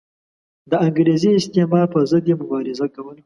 د انګریزي استعمار پر ضد یې مبارزه کوله.